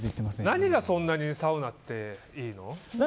何がそんなにサウナっていいの？